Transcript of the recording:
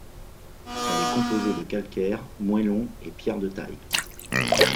Elle est composée de calcaire, moellon et pierre de taille.